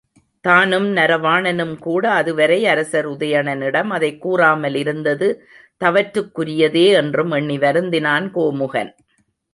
தானும் நரவாணனும்கூட அதுவரை அரசர் உதயணனிடம் அதைக் கூறாமலிருந்தது தவற்றுக்குரியதே என்றும் எண்ணி வருந்தினான் கோமுகன்.